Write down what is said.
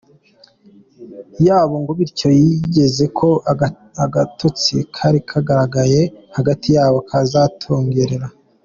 yabo ngo bityo yizera ko agatotsi kari kagaragaye hagati yabo katazongera.